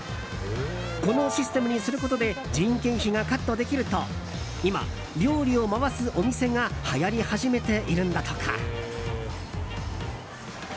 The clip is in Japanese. このシステムにすることで人件費がカットできると今、料理を回すお店がはやり始めているんだとか。